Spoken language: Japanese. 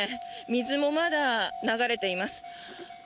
水もまだ流れています。